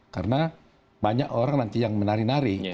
karena banyak orang nanti yang menari nari